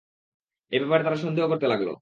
এ ব্যাপারে তারা সন্দেহ করতে লাগল।